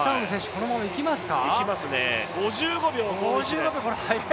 このままいきますか？